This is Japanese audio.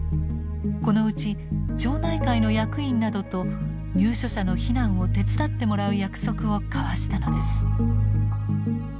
このうち町内会の役員などと入所者の避難を手伝ってもらう約束を交わしたのです。